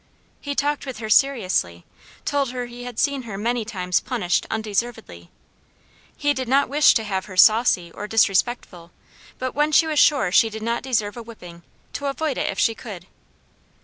He talked with her seriously, told her he had seen her many times punished undeservedly; he did not wish to have her saucy or disrespectful, but when she was SURE she did not deserve a whipping, to avoid it if she could.